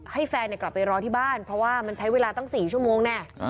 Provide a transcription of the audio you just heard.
ให้แฟนกลับไปรอที่บ้านเพราะว่ามันใช้เวลาตั้ง๔ชั่วโมงแน่